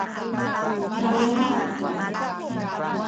taluma’ tu